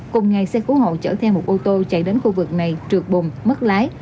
cùng ngày xe cứu hộ chở theo một ô tô chạy đến khu vực này trượt bùng mất lái